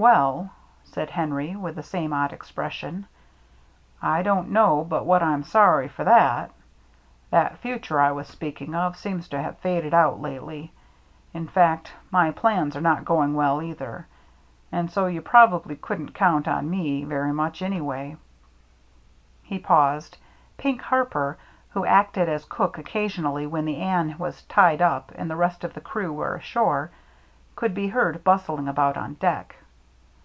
"Well," said Henry, with the same odd expression, " I don't know but what I'm sorry for that. That future I was speaking of seems to have faded out lately, — in fact, my plans are not going well, either. And so you probably couldn't count on me very much anyway." 8o THE MERRY ANNE He paused. Pink Harper, who acted as cook occasionally when the Anne was tied up and the rest of the crew were ashore, could be heard bustling about on deck.